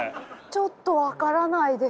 ちょっと分からないです。